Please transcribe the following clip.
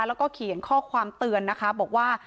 แล้วก็เขียนข้อความเตือนนะคะบอกว่า